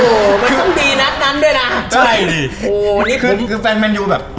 โอ้มันต้องดีนัดนั้นด้วยนะใช่โอ้นี่คือแฟนแมนยูแบบ